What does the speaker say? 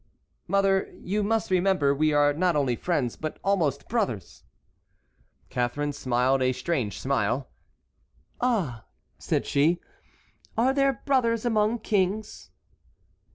"Mother, you must remember we are not only friends, but almost brothers." Catharine smiled a strange smile. "Ah," said she, "are there brothers among kings?"